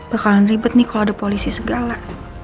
bakalan ribet nih kalau ada polisi segala